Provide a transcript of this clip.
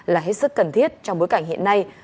là hết sức cần thiết trong bối cảnh hiện nay